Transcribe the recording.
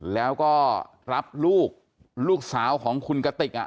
แล้วก็รับลูกลูกสาวของคุณกติก